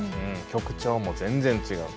曲調も全然違う。